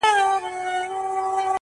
• جهاني کړي غزلونه د جانان په صفت ستړي -